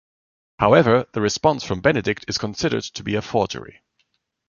However, the response from Benedict is considered to be a forgery.